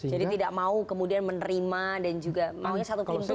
jadi tidak mau kemudian menerima dan juga maunya satu pintu gitu